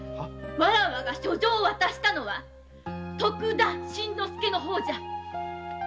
わらわが書状を渡したのは“徳田新之助”の方じゃ。